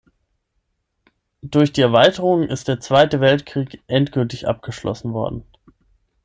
Durch die Erweiterung ist der Zweite Weltkrieg endgültig abgeschlossen worden.